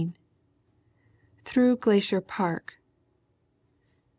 Through Glacier Park.